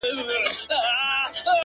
زارۍ”